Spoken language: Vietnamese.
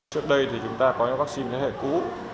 trước đây thì chúng ta có những vắc xin thế hệ cũ